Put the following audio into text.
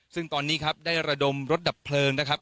ซึ่งตอนนี้ครับได้ระดมรถดับเพลิงนะครับ